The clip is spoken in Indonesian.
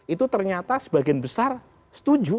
itu ternyata sebagian besar setuju